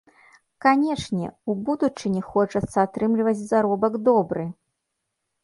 Канечне, у будучыні хочацца атрымліваць заробак добры.